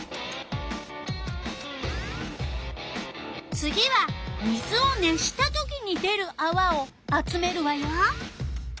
次は水を熱したときに出るあわを集めるわよ。